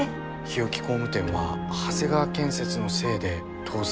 日置工務店は長谷川建設のせいで倒産したのかも。